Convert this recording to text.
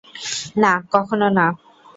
না, কখনো না।